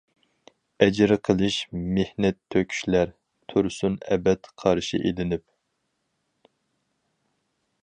ئەجىر قىلىش مېھنەت تۆكۈشلەر، تۇرسۇن ئەبەد قارشى ئېلىنىپ.